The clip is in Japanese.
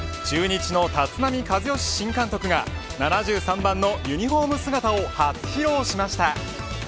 中日の立浪和義新監督が７３番のユニホーム姿を初披露しました。